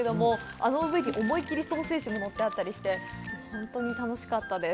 あの上に思いっきりソーセージも載ってあったりしてほんとに楽しかったです